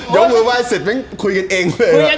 โยชน์เมื่อว่ายเซ็ตคุยกันเอง